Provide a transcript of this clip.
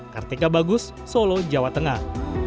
kartika bagus solo jawa tengah